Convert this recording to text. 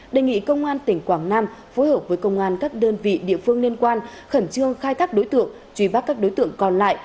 đề nghị công an tỉnh quảng nam phối hợp với công an các đơn vị địa phương liên quan khẩn trương khai thác đối tượng truy bắt các đối tượng còn lại